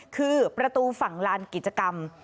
คือประตูฝั่งลานกิจกรรม